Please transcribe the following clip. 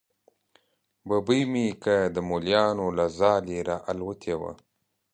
ببۍ مې که د مولیانو له ځالې را الوتې وه.